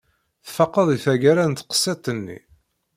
Tfaqeḍ i tagara n teqsiṭ-nni?